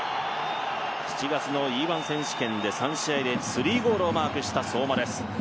７月のＥ−１選手権で３試合で３ゴールをマークした相馬です。